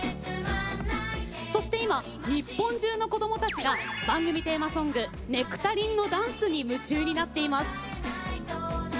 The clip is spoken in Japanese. そして今、日本中の子どもたちが番組テーマソング「ネクタリン」のダンスに夢中になっています。